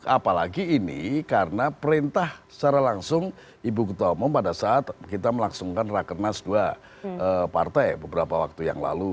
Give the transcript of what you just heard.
apalagi ini karena perintah secara langsung ibu ketua umum pada saat kita melangsungkan rakernas dua partai beberapa waktu yang lalu